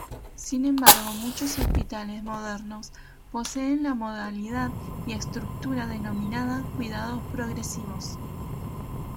Sin embargo muchos hospitales modernos poseen la modalidad y estructura denominada Cuidados Progresivos.